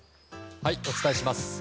お伝えします。